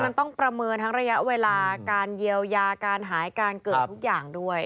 มันต้องประเมินทั้งระยะเวลาการเยียวยาการหายการเกิดทุกอย่างด้วย